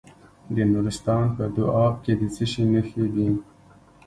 د نورستان په دو اب کې د څه شي نښې دي؟